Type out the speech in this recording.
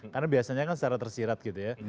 karena biasanya kan secara tersirat gitu ya